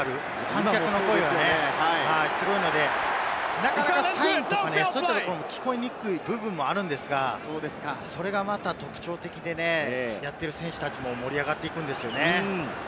観客の声が上がる、すごいので、なかなかサインとか声が聞こえにくい部分もあるんですが、それがまた特徴的でね、やってる選手たちも盛り上がっていくんですよね。